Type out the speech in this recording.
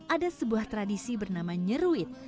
ada sebuah tradisi bernama nyeruit